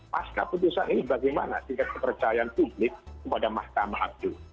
pasca putusan ini bagaimana tingkat kepercayaan publik kepada mahkamah agung